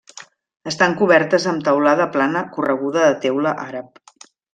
Estan cobertes amb teulada plana correguda de teula àrab.